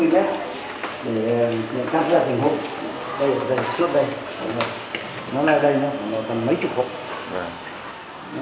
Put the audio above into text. đây ở đây suốt đây